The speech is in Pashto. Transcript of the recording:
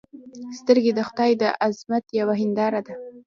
سترګې د خدای د عظمت یوه هنداره ده